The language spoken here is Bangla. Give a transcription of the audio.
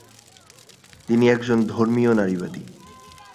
তিনি একজন ধর্মীয় নারীবাদী।